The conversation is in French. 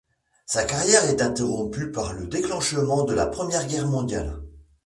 Sa carrière est interrompue par le déclenchement de la Première Guerre mondiale.